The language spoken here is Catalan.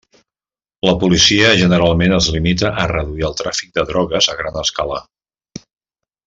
La policia generalment es limita a reduir el tràfic de drogues a gran escala.